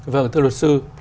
vâng thưa luật sư